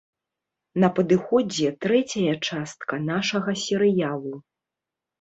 На падыходзе трэцяя частка нашага серыялу!